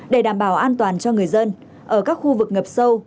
để đảm bảo an toàn cho người dân ở các khu vực ngập sâu